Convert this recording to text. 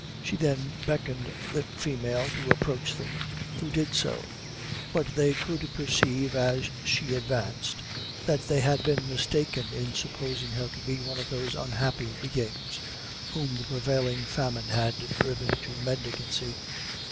She then beckoned the female to approach them, who did so; but they could perceive as she advanced, that they had been mistaken in supposing her to be one of those unhappy beings whom the prevailing famine had driven to mendicancy.